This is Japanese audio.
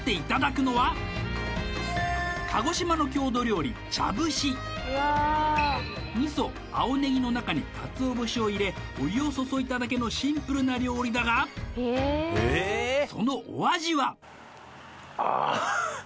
ありがとうそしてこの味噌青ネギの中にかつお節を入れお湯を注いだだけのシンプルな料理だがそのお味は？